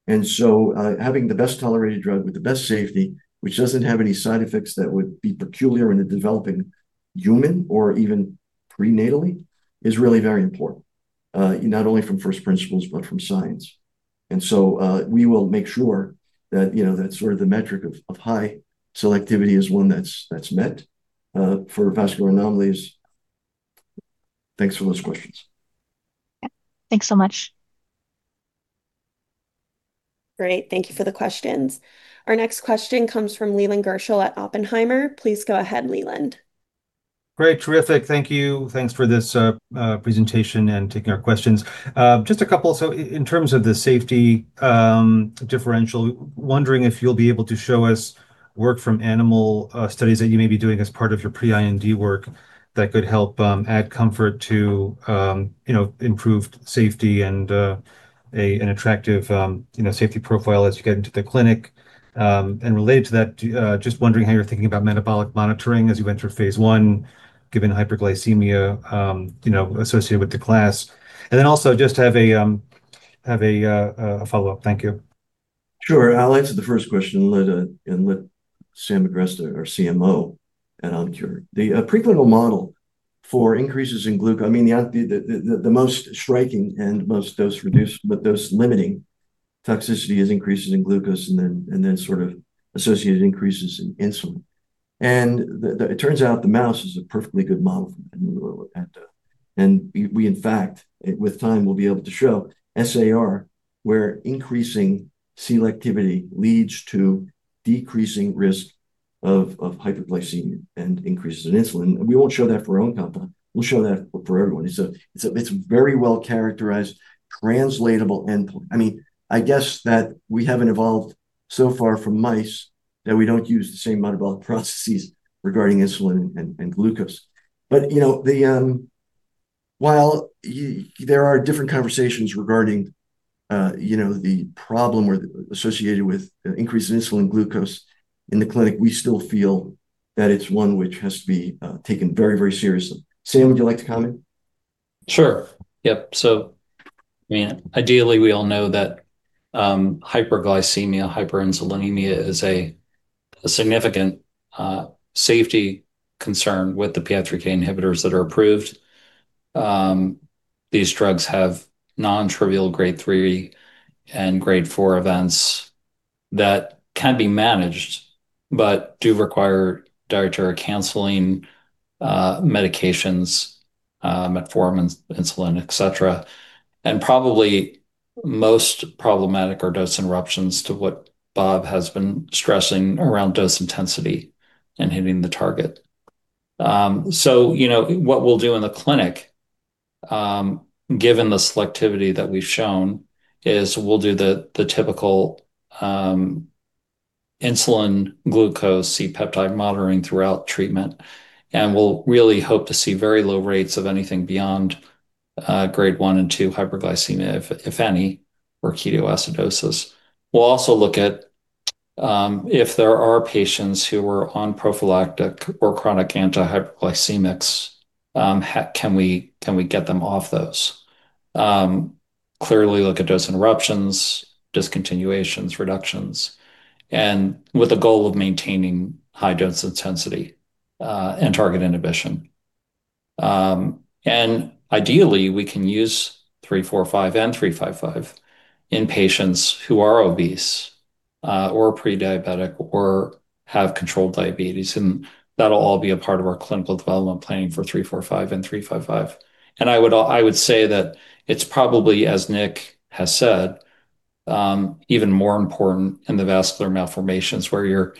Having the best-tolerated drug with the best safety, which doesn't have any side effects that would be peculiar in a developing human or even prenatally, is really very important, not only from first principles, but from science. We will make sure that sort of the metric of high selectivity is one that's met for vascular anomalies. Thanks for those questions. Yeah. Thanks so much. Great. Thank you for the questions. Our next question comes from Leland Gershell at Oppenheimer. Please go ahead, Leland. Great. Terrific. Thank you. Thanks for this presentation and taking our questions. Just a couple. In terms of the safety differential, wondering if you'll be able to show us work from animal studies that you may be doing as part of your pre-IND work that could help add comfort to improved safety and an attractive safety profile as you get into the clinic. Related to that, just wondering how you're thinking about metabolic monitoring as you enter phase I, given hyperglycemia associated with the class. Also just have a follow-up. Thank you. Sure. I'll answer the first question and let Sam Agresta, our CMO at OnKure. The preclinical model for increases in glucose. The most striking and most dose reduced, but dose limiting toxicity is increases in glucose and then sort of associated increases in insulin. It turns out the mouse is a perfectly good model for that. We, in fact, with time, will be able to show SAR, where increasing selectivity leads to decreasing risk of hypoglycemia and increases in insulin. We won't show that for our own compound, we'll show that for everyone. It's a very well-characterized, translatable endpoint. I guess that we haven't evolved so far from mice, that we don't use the same metabolic processes regarding insulin and glucose. While there are different conversations regarding the problem associated with increased insulin glucose in the clinic, we still feel that it's one which has to be taken very, very seriously. Sam, would you like to comment? Sure. Yep. Ideally, we all know that hyperglycemia, hyperinsulinemia is a significant safety concern with the PI3K inhibitors that are approved. These drugs have non-trivial grade three and grade four events that can be managed, but do require dietary counseling, medications, metformin, insulin, et cetera. Probably most problematic are dose interruptions to what Bob has been stressing around dose intensity and hitting the target. What we'll do in the clinic, given the selectivity that we've shown, is we'll do the typical insulin glucose C-peptide monitoring throughout treatment, and we'll really hope to see very low rates of anything beyond grade one and two hyperglycemia, if any, or ketoacidosis. We'll also look at if there are patients who were on prophylactic or chronic antihyperglycemics, can we get them off those? Clearly look at dose interruptions, discontinuations, reductions, with a goal of maintaining high dose intensity, and target inhibition. Ideally, we can use 345 and 355 in patients who are obese, or pre-diabetic, or have controlled diabetes, that'll all be a part of our clinical development planning for 345 and 355. I would say that it's probably, as Nick has said, even more important in the vascular malformations, where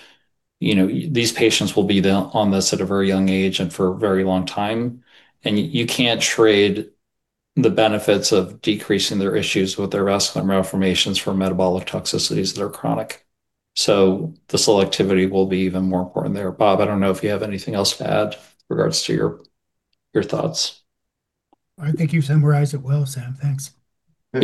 these patients will be on this at a very young age and for a very long time, you can't trade the benefits of decreasing their issues with their vascular malformations for metabolic toxicities that are chronic. The selectivity will be even more important there. Bob, I don't know if you have anything else to add with regards to your thoughts. I think you've summarized it well, Sam. Thanks. Yep.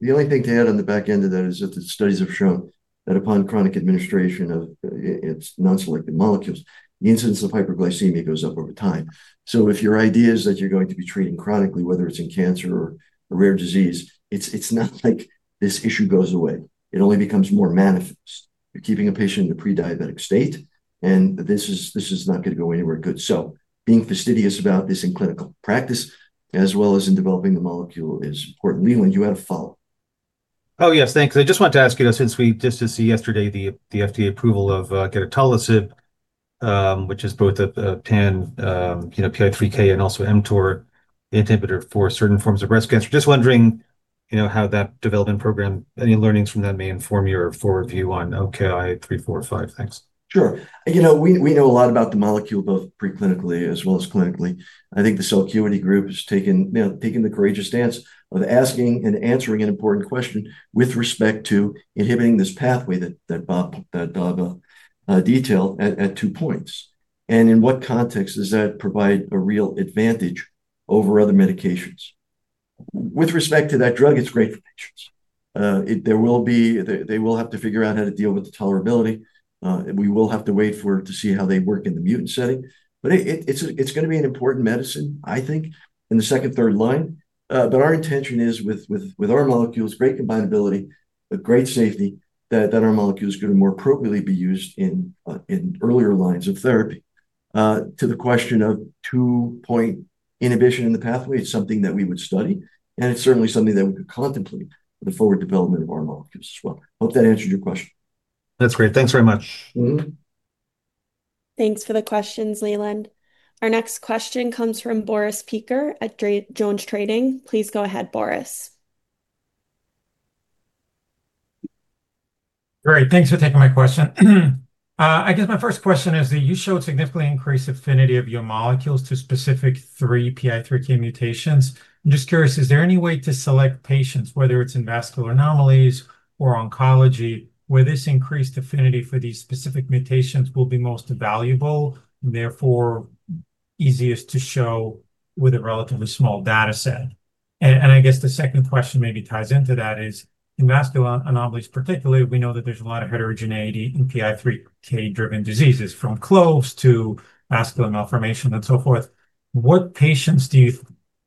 The only thing to add on the back end of that is that the studies have shown that upon chronic administration of its non-selected molecules, the incidence of hyperglycemia goes up over time. If your idea is that you're going to be treating chronically, whether it's in cancer or a rare disease, it's not like this issue goes away. It only becomes more manifest. You're keeping a patient in a pre-diabetic state, this is not going to go anywhere good. Being fastidious about this in clinical practice as well as in developing the molecule is important. Leland, you had a follow-up. Oh, yes. Thanks. I just wanted to ask you, since we just did see yesterday the FDA approval of gedatolisib, which is both a pan PI3K and also mTOR inhibitor for certain forms of breast cancer. Just wondering, how that development program, any learnings from that may inform your forward view on OKI345? Thanks. Sure. We know a lot about the molecule, both pre-clinically as well as clinically. I think the Celcuity group has taken the courageous stance of asking and answering an important question with respect to inhibiting this pathway that Bob detailed at two points. In what context does that provide a real advantage over other medications? With respect to that drug, it's great for patients. They will have to figure out how to deal with the tolerability. We will have to wait for it to see how they work in the mutant setting. It's going to be an important medicine, I think, in the second, third line. Our intention is with our molecules, great combinability, but great safety, that our molecule is going to more appropriately be used in earlier lines of therapy. To the question of two-point inhibition in the pathway, it's something that we would study, and it's certainly something that we could contemplate for the forward development of our molecules as well. Hope that answered your question. That's great. Thanks very much. Thanks for the questions, Leland. Our next question comes from Boris Peaker at JonesTrading. Please go ahead, Boris. Great. Thanks for taking my question. I guess my first question is that you showed significantly increased affinity of your molecules to specific three PI3K mutations. I'm just curious, is there any way to select patients, whether it's in vascular anomalies or oncology, where this increased affinity for these specific mutations will be most valuable, and therefore easiest to show with a relatively small data set? I guess the second question maybe ties into that is, in vascular anomalies particularly, we know that there's a lot of heterogeneity in PI3K-driven diseases, from CLOVES to vascular malformation and so forth. What patients do you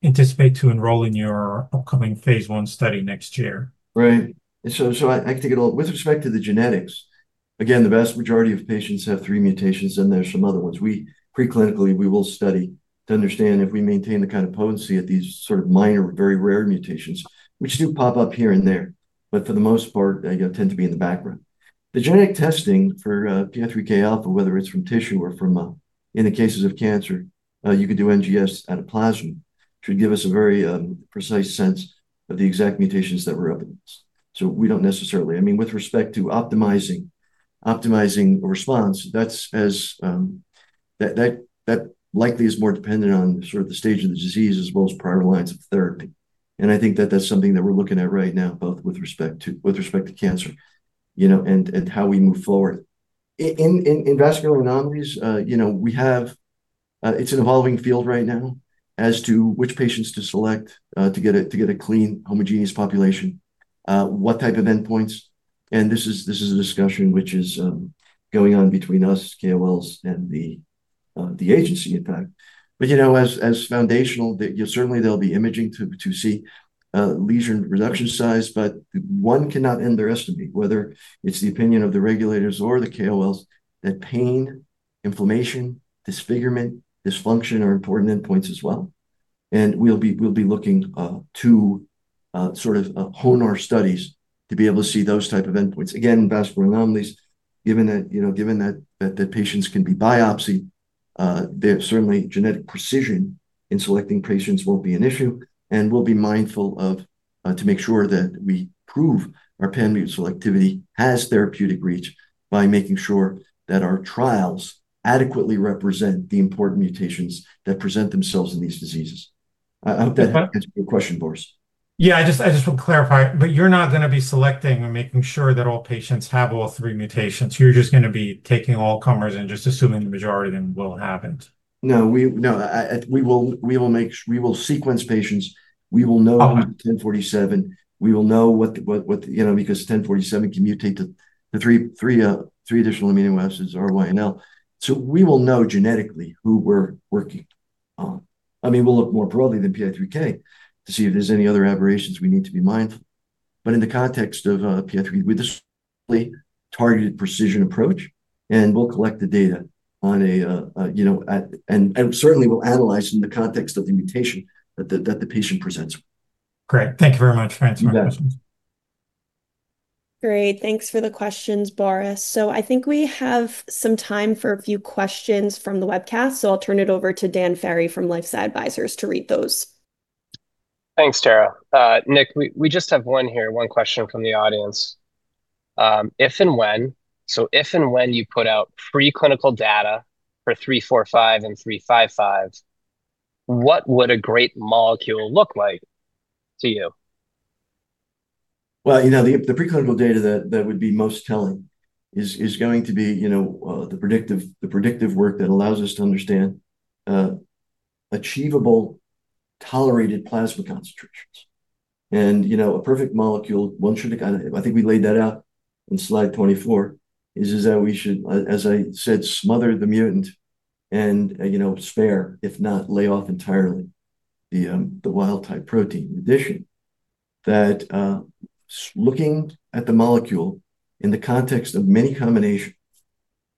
anticipate to enroll in your upcoming phase I study next year? Right. I can take it all. With respect to the genetics. Again, the vast majority of patients have three mutations, and there's some other ones. Pre-clinically, we will study to understand if we maintain the kind of potency at these sort of minor, very rare mutations, which do pop up here and there, but for the most part, they tend to be in the background. The genetic testing for PI3Kα, whether it's from tissue or in the cases of cancer, you could do NGS and a plasma, which would give us a very precise sense of the exact mutations that were evidenced. With respect to optimizing a response, that likely is more dependent on sort of the stage of the disease, as well as prior lines of therapy. I think that that's something that we're looking at right now, both with respect to cancer, and how we move forward. In vascular anomalies, it's an evolving field right now as to which patients to select to get a clean homogeneous population. What type of endpoints, and this is a discussion which is going on between us KOLs and the agency, in fact. As foundational, certainly there'll be imaging to see lesion reduction size, but one cannot underestimate, whether it's the opinion of the regulators or the KOLs, that pain, inflammation, disfigurement, dysfunction are important endpoints as well. We'll be looking to sort of hone our studies to be able to see those type of endpoints. Again, vascular anomalies, given that patients can be biopsied, certainly genetic precision in selecting patients won't be an issue, and we'll be mindful to make sure that we prove our pan-mut selectivity has therapeutic reach by making sure that our trials adequately represent the important mutations that present themselves in these diseases. I hope that answers your question, Boris. Yeah, I just want to clarify. You're not going to be selecting and making sure that all patients have all three mutations. You're just going to be taking all comers and just assuming the majority of them will have it. No, we will sequence patients. We will know the 1047. We will know what, because 1047 can mutate to three additional amino acids, R, Y, and L. We will know genetically who we're working on. We'll look more broadly than PI3K to see if there's any other aberrations we need to be mindful of. In the context of PI3, with this targeted precision approach, and we'll collect the data, and certainly we'll analyze in the context of the mutation that the patient presents. Great. Thank you very much for answering my questions. You bet. Great. Thanks for the questions, Boris. I think we have some time for a few questions from the webcast, I'll turn it over to Dan Ferry from LifeSci Advisors to read those. Thanks, Tara. Nick, we just have one here, one question from the audience. If and when you put out preclinical data for 345 and 355, what would a great molecule look like to you? Well, the preclinical data that would be most telling is going to be the predictive work that allows us to understand achievable, tolerated plasma concentrations. A perfect molecule, I think we laid that out in slide 24, is that we should, as I said, smother the mutant and spare, if not lay off entirely, the wild-type protein. In addition, that looking at the molecule in the context of many combinations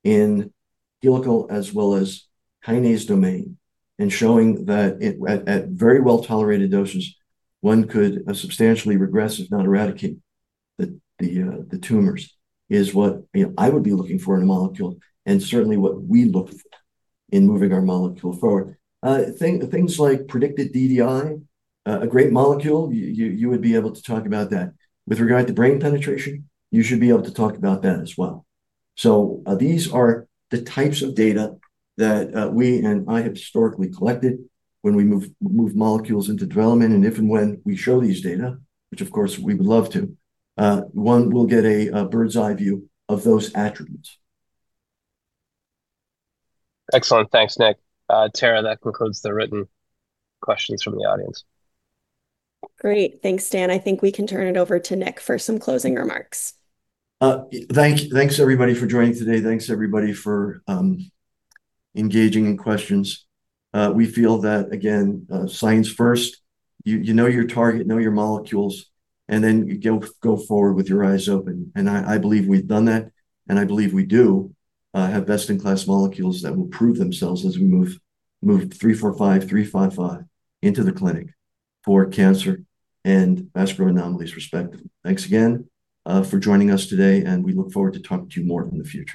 in helical as well as kinase domain, and showing that at very well-tolerated doses, one could substantially regress if not eradicate the tumors is what I would be looking for in a molecule, and certainly what we look for in moving our molecule forward. Things like predicted DDI, a great molecule, you would be able to talk about that. With regard to brain penetration, you should be able to talk about that as well. These are the types of data that we and I have historically collected when we move molecules into development. If and when we show these data, which of course we would love to, one will get a bird's eye view of those attributes. Excellent. Thanks, Nick. Tara, that concludes the written questions from the audience. Great. Thanks, Dan. I think we can turn it over to Nick for some closing remarks. Thanks everybody for joining today. Thanks everybody for engaging in questions. We feel that, again, science first, you know your target, know your molecules, and then go forward with your eyes open. I believe we've done that, and I believe we do have best-in-class molecules that will prove themselves as we move 345, 355 into the clinic for cancer and vascular anomalies respectively. Thanks again for joining us today, and we look forward to talking to you more in the future.